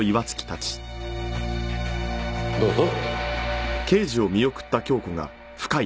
どうぞ。